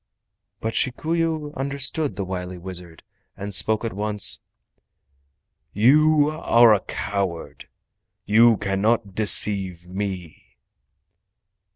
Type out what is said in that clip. But Shikuyu understood the wily wizard, and he spoke at once: "You are a coward! You cannot deceive me!"